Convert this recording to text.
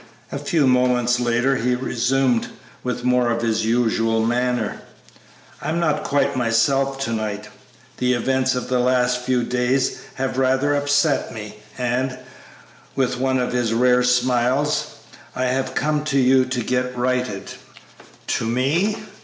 A few moments later he resumed, with more of his usual manner, "I am not quite myself to night. The events of the last few days have rather upset me, and," with one of his rare smiles, "I have come to you to get righted." "To me?"